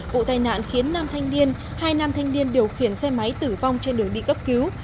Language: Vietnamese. vụ tai nạn khiến nam thanh niên hai nam thanh niên điều khiển xe máy tử vong trên đường đi cấp cứu